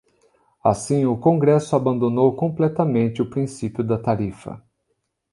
Assim, o congresso abandonou completamente o princípio da tarifa.